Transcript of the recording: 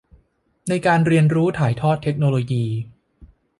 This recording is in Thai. ในการเรียนรู้ถ่ายทอดเทคโนโลยี